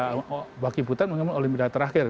apalagi bagi bu ted memang olimpiade terakhir